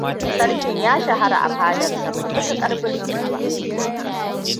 Sarkin ya shahara a fadarsa mai matuƙar burgewa.